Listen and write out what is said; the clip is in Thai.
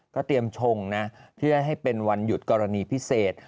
เตรียมชงนะเพื่อให้เป็นวันหยุดกรณีพิเศษ